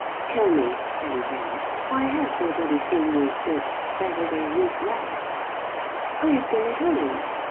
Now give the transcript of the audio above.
"Tell me," said he then, "why has nobody seen you since Saturday week last?" "I have been at home."